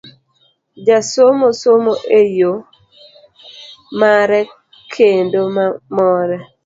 Jasomo somo e yo mare kendo ma more.